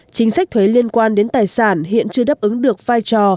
chính sách thuế liên quan đến tài sản hiện chưa đáp ứng được vai trò